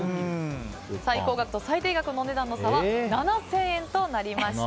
最高額と最低額のお値段の差は７０００円となりました。